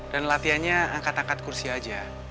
dan latihannya angkat angkat kursi aja